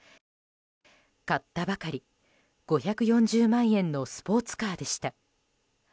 買ったばかり、５４０万円のスポーツカーでした。